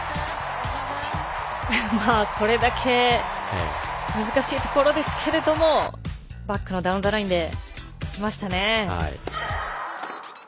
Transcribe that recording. これだけ難しいところですけどもバックのダウン・ザ・ラインできましたね。